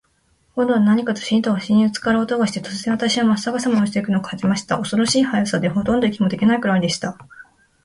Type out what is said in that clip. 今度は何かズシンと鷲にぶっつかる音がして、突然、私はまっ逆さまに落ちて行くのを感じました。恐ろしい速さで、ほとんど息もできないくらいでした。